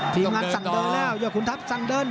ทีมงานสั่งเดินแล้วยอดขุนทัพสั่งเดิน